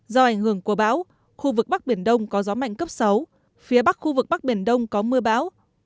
do ảnh hưởng của bão khu vực bắc biển đông có gió mạnh cấp sáu phía bắc khu vực bắc biển đông có mưa bão